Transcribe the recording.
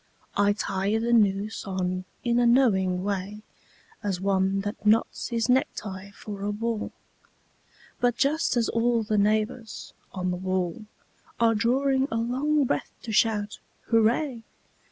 I tie the noose on in a knowing way As one that knots his necktie for a ball; But just as all the neighbours on the wall Are drawing a long breath to shout 'Hurray!'